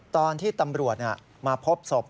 ตอนที่ตำรวจมาพบศพ